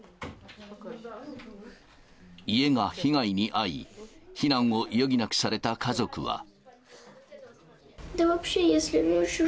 家が被害に遭い、避難を余儀なくされた家族は。